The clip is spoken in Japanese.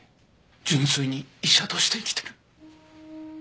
純粋に医者として生きてる。